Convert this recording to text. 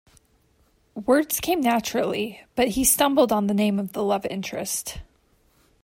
Words came naturally, but he stumbled on the name of the love interest.